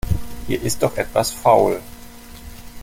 Hier ist doch etwas faul.